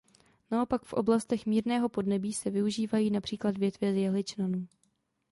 Naopak v oblastech mírného podnebí se používají například větve z jehličnanů.